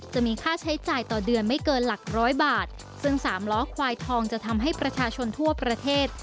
จะมีค่าใช้จ่ายต่อเดือนไม่เกินหลักร้อยบาทซึ่งสามล้อควายทองจะทำให้ประชาชนทั่วประเทศ